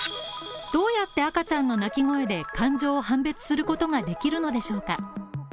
どうやって赤ちゃんの泣き声で感情を判別することができるのでしょうか。